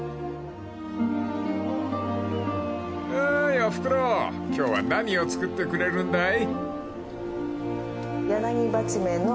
［おーいおふくろ今日は何を作ってくれるんだい？］